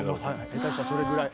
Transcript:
下手したらそれぐらい。